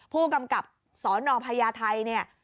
ผู้กำกับสนพญาไทยเนี่ย